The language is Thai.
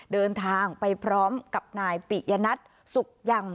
เดินทางไปพร้อมกับนายปิยนัทสุขยัง